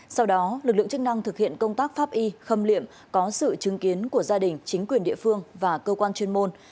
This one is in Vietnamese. sau đó lực lượng chức năng thực hiện công tác pháp y khâm liệm có sự chứng kiến của gia đình chính quyền địa phương và cơ quan chuyên môn